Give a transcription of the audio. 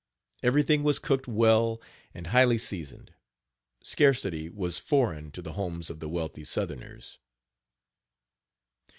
Everything was cooked well, and highly seasoned. Scarcity was foreign to the homes of the wealthy southerners.